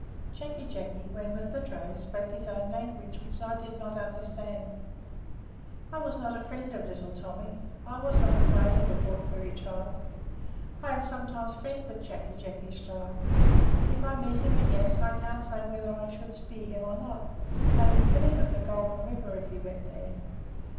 "Jacky Jacky, when with the dray, spoke his own language which I did not understand. I was not a friend of Little Tommy. I was not afraid of the Port Fairy tribe. I am sometimes friend with Jacky Jacky's tribe. If I met him at Yass I can't say whether I should spear him or not; they would kill him at the Goulburn River if he went there.